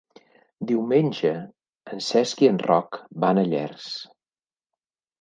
Diumenge en Cesc i en Roc van a Llers.